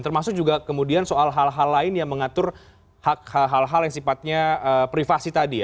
termasuk juga kemudian soal hal hal lain yang mengatur hak hal hal yang sifatnya privasi tadi ya